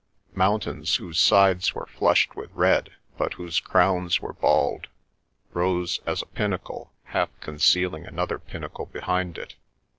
Mountains whose sides were flushed with red, but whose crowns were bald, rose as a pinnacle, half concealing another pinnacle behind it.